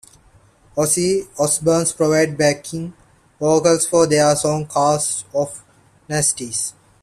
Ozzy Osbourne provided backing vocals for their song "Cast of Nasties".